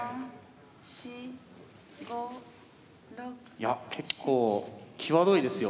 いや結構際どいですよ。